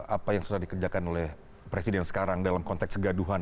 apa yang sudah dikerjakan oleh presiden sekarang dalam konteks gaduhan